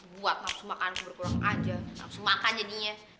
buat nafsu makan aku berkurang aja nafsu makan jadinya